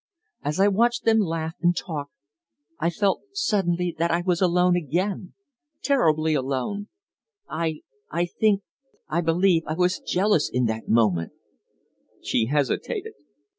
As I watched them laugh and talk I felt suddenly that I was alone again terribly alone. I I think I believe I was jealous in that moment " She hesitated.